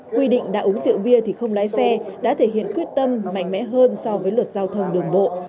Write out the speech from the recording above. quy định đã uống rượu bia thì không lái xe đã thể hiện quyết tâm mạnh mẽ hơn so với luật giao thông đường bộ